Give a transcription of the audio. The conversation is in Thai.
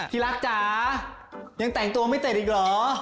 ที่รักจ๋ายังแต่งตัวไม่ติดอีกเหรอ